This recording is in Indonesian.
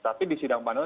tapi di sidang panel